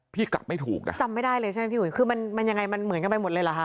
กลับไม่ถูกนะจำไม่ได้เลยใช่ไหมพี่อุ๋ยคือมันมันยังไงมันเหมือนกันไปหมดเลยเหรอคะ